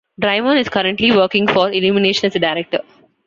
Drymon is currently working for Illumination as a Director.